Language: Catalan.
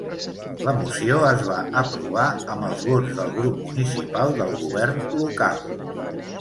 La moció es va aprovar amb els vots del grup municipal del govern local.